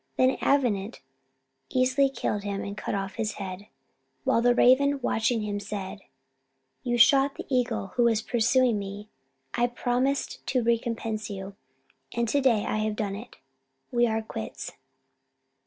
Then Avenant easily killed him and cut off his head, while the raven, watching him, said "You shot the eagle who was pursuing me: I promised to recompense you, and to day I have done it. We are quits."